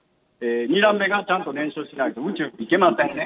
２段目がちゃんと燃焼しないと宇宙に行けませんね。